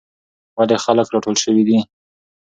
ولې خلک راټول شوي دي؟